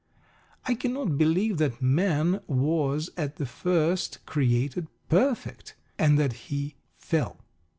I cannot believe that man was at the first created "perfect," and that he "fell."